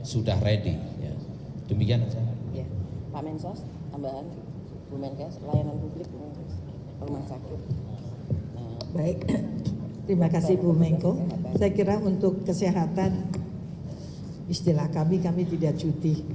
saya kira untuk kesehatan istilah kami kami tidak cuti